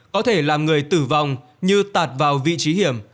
có thể làm người tử vong như tạt vào vị trí hiểm